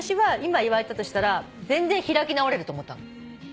今言われたとしたら全然開き直れると思ったの。